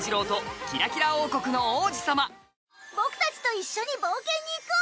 僕たちと一緒に冒険に行こう！